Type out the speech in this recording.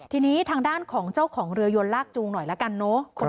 ทีนี้ทางด้านของเจ้าของเรือยนลากจูงหน่อยละกันเนอะ